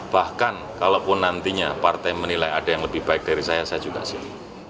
bahkan kalaupun nantinya partai menilai ada yang lebih baik dari saya saya juga siap